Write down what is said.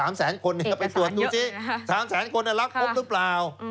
เอกสารเยอะนะครับไปตรวจดูสิ๓๐๐๐๐๐คนรับครบหรือเปล่า